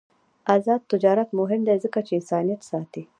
آزاد تجارت مهم دی ځکه چې انسانیت ساتي.